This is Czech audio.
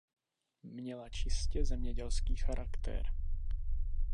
Měla čistě zemědělský charakter.